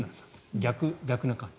逆な感じ。